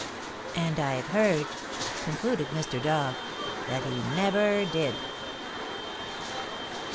"And I've heard," concluded Mr. Dog, "that he never did." MR.